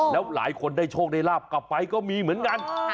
แล้วหลายคนได้โชคได้ลาบกลับไปก็มีเหมือนกัน